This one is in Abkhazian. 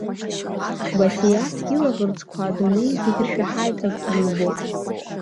Басиаҭ илаӷырӡқәа адунеи зегьы ршәаҳаит, акгьы имбо.